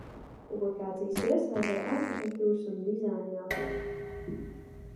Publikācijas presē par arhitektūras un dizaina jautājumiem.